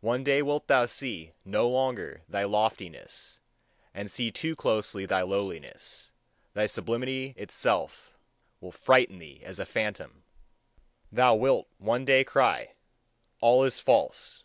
One day wilt thou see no longer thy loftiness, and see too closely thy lowliness; thy sublimity itself will frighten thee as a phantom. Thou wilt one day cry: "All is false!"